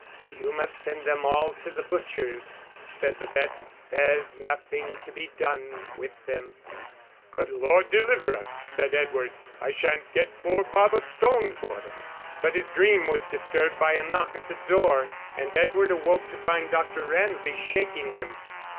"You must send them all to the butcher's," said the vet.; "there's nothing to be done with them." "Good Lord deliver us," said Edward; "I shan't get four bob a stone for them." But his dream was disturbed by a knock at the door, and Edward awoke to find Dr. Ramsay shaking him.